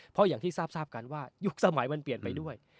เพราะอย่างที่ทราบกันว่ายุคสมัยมันเปลี่ยนไปด้วย